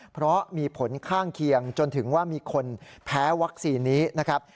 เพราะมีผลข้างเคียงจนถึงว่ามีคนแพ้วัคซีนนี้นะครับ